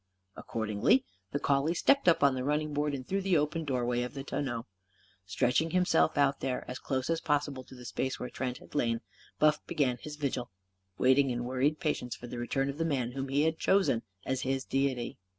Accordingly, the collie stepped up on the running board, and through the open doorway of the tonneau. Stretching himself out there, as close as possible to the space where Trent had lain, Buff began his vigil waiting in worried patience for the return of the man whom he had chosen as his deity.